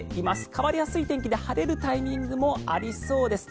変わりやすい天気で晴れるタイミングもありそうです。